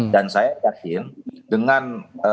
dan saya yakin dengan